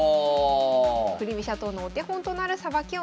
振り飛車党のお手本となるさばきを見せた藤井九段。